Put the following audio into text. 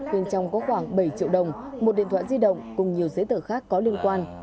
bên trong có khoảng bảy triệu đồng một điện thoại di động cùng nhiều giấy tờ khác có liên quan